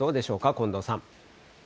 近藤さん。